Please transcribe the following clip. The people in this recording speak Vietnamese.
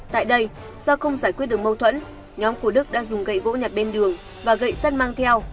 tại đây do không giải quyết được mâu thuẫn nhóm của đức đã dùng gậy gỗ nhặt bên đường và gậy sắt mang theo